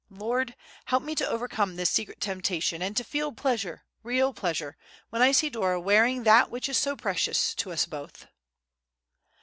Lord! help me to overcome this secret temptation, and to feel pleasure, real pleasure, when I see Dora wearing that which is so precious to us both!"